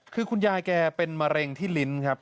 คือคุณยายแกเป็นมะเร็งที่ลิ้นครับ